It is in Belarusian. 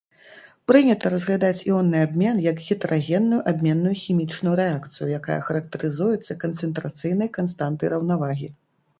Прынята разглядаць іонны абмен як гетэрагенную абменную хімічную рэакцыю, якая характарызуецца канцэнтрацыйнай канстантай раўнавагі.